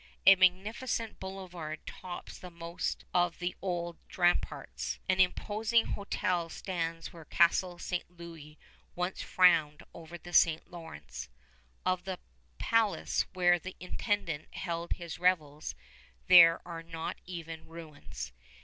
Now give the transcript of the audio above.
A magnificent boulevard tops the most of the old ramparts. An imposing hotel stands where Castle St. Louis once frowned over the St. Lawrence. Of the palace where the Intendant held his revels there are not even ruins.